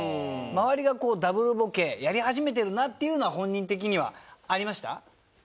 周りがこうＷボケやり始めてるなっていうのは本人的にはありました？